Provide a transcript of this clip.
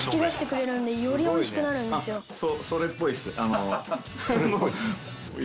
「“それっぽいです”」